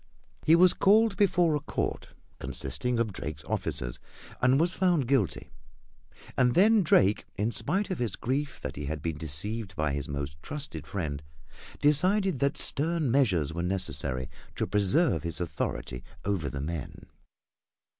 He was called before a court consisting of Drake's officers and was found guilty. And then Drake, in spite of his grief that he had been deceived by his most trusted friend, decided that stern measures were necessary to preserve his authority over the men.